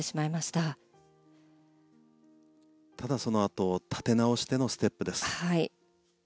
ただそのあと立て直してのステップです。